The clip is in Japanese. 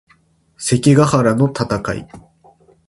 関ヶ原の戦い